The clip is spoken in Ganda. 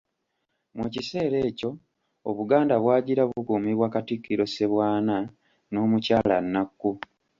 Mu kiseera ekyo Obuganda bwagira bukuumibwa Katikkiro Ssebwana n'Omukyala Nnakku.